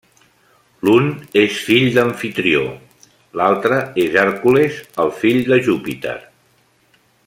L'un és fill d'Amfitrió, l'altre és Hèrcules, el fill de Júpiter.